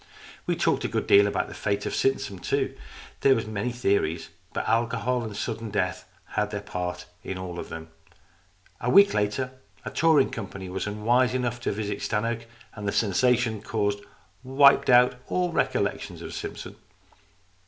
We talked a good deal about the fate of Simpson too. There were many theories, but alcohol and sudden death had their part in all of them. A week later, a touring company was unwise enough to visit Stannoke, and the sensation caused wiped out all recollections of Simpson.